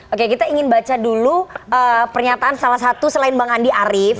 oke kita ingin baca dulu pernyataan salah satu selain bang andi arief